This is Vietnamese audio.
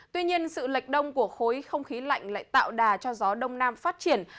tuy nhiên sự lệch đông của khối không khí lạnh lại tạo đà cho gió đông nam phát triển